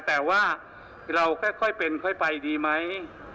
แต่ว่าเราค่อยเป็นค่อยไปดีไหม